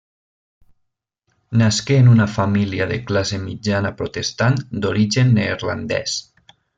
Nasqué en una família de classe mitjana protestant d'origen neerlandès.